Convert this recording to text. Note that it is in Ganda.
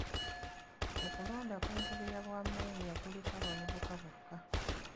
Okulonda kw'entebbe y'obwa meeya kuliko bavubuka bokka.